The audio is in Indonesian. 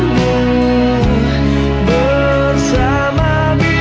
mimpilah dalam tidurmu